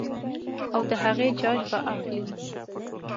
او د هغې جاج به اخلي -